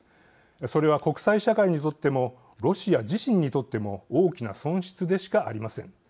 それは国際社会にとってもロシア自身にとっても大きな損失でしかありません。